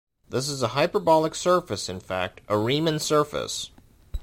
This is a hyperbolic surface, in fact, a Riemann surface.